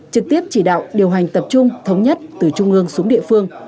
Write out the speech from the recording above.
trực tiếp chỉ đạo điều hành tập trung thống nhất từ trung ương xuống địa phương